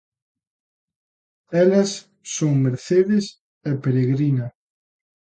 Elas son Mercedes e Peregrina.